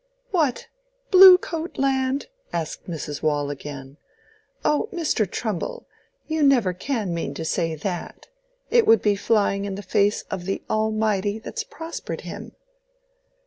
"What, Blue Coat land?" said Mrs. Waule, again. "Oh, Mr. Trumbull, you never can mean to say that. It would be flying in the face of the Almighty that's prospered him."